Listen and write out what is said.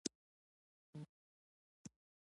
او فرعي احکام هم ورته ويل کېږي.